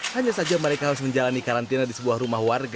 hanya saja mereka harus menjalani karantina di sebuah rumah warga